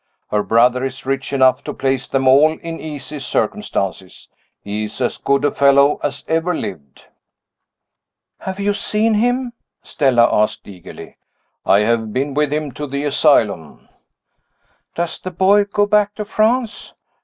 Her brother is rich enough to place them all in easy circumstances he is as good a fellow as ever lived." "Have you seen him?" Stella asked, eagerly. "I have been with him to the asylum." "Does the boy go back to France?"